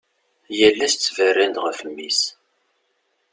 Yal ass ttberrin-d ɣef mmi-s.